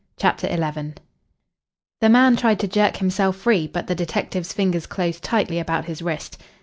CHAPTER XI The man tried to jerk himself free, but the detective's fingers closed tightly about his wrist.